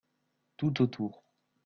tout autour.